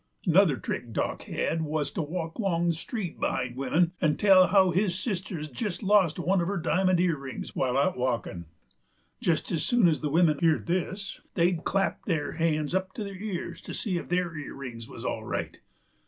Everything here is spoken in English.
'Nuther trick Dock had wuz to walk 'long the street behind wimmin 'nd tell about how his sister had jest lost one uv her diamond earrings while out walkin'. Jest as soon as the wimmin heerd this they'd clap their han's up to their ears to see if their earrings wuz all right.